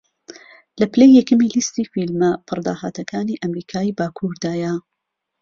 لە پلەی یەکەمی لیستی فیلمە پڕداهاتەکانی ئەمریکای باکووردایە